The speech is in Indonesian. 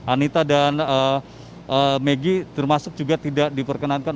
anita dan megi termasuk juga tidak diperkenankan